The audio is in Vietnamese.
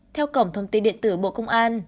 theo cổng thông tin điện tử bộ công an